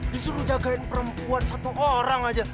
disuruh jagain perempuan satu orang aja